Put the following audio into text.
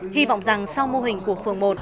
hy vọng rằng sau mô hình của phường một